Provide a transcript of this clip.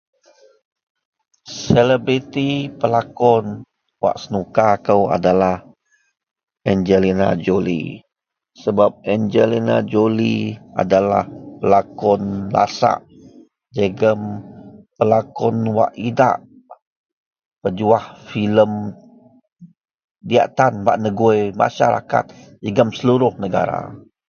Seleberiti pelakon wak senuka kou adalah Angelina Jolie adalah pelakon lasak wak idak nejuah filem diak tan bak gui seluruh.